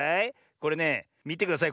これねみてください